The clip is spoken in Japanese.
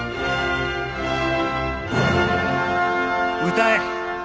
歌え！